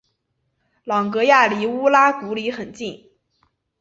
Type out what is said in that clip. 朗格亚离乌达古里很近。